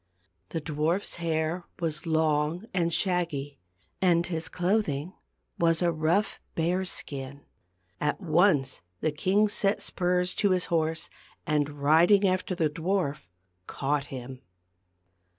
The dwarfs hair was long and shaggy, and his clothing was a rough bear's skin. At once the king set spurs to his horse, and riding after the dwarf caught him.